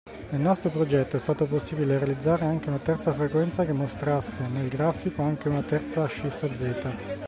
Nel nostro progetto è stato possibile realizzare anche una terza frequenza che mostrasse nel grafico anche una terza ascissa z.